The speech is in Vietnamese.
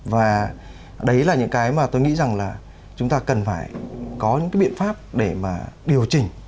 và đấy là những cái mà tôi nghĩ rằng là chúng ta cần phải có những cái biện pháp để mà điều chỉnh